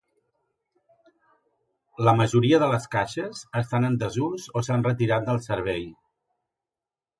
La majoria de les caixes estan en desús o s'han retirat del servei.